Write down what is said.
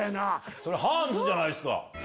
それハーンズじゃないですか！